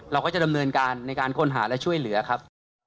เราก็จะดำเนินการในการค้นหาและช่วยเหลือครับ